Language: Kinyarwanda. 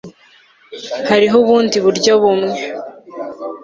Hariho ubundi buryo bumwe